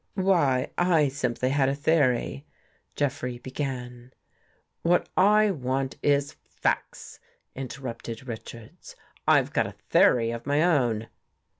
" Why, I simply had a theory. .. Jeff rey began. " What I want is facts," interrupted Richards. " I've got a theory of my own."